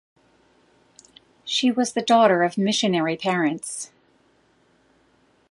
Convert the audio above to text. She was the daughter of missionary parents.